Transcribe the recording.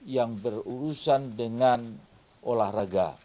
yang berurusan dengan olahraga